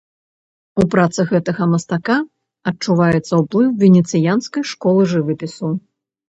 У працах гэтага мастака адчуваецца ўплыў венецыянскай школы жывапісу.